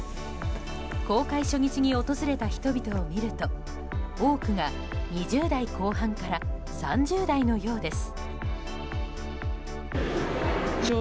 公開初日に訪れた人々を見ると多くが２０代後半から３０代のようです。